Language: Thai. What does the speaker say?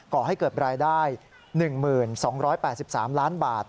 ก่อให้เกิดรายได้๑๒๘๓ล้านบาท